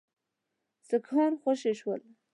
سیکهان خوشي شول.